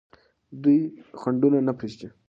دوی خنډونه نه پرېږدي.